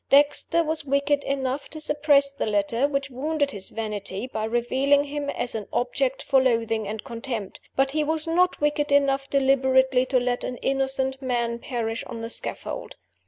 Dexter was wicked enough to suppress the letter, which wounded his vanity by revealing him as an object for loathing and contempt but he was not wicked enough deliberately to let an innocent man perish on the scaffold.